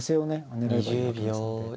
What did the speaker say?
狙えばいいわけですので。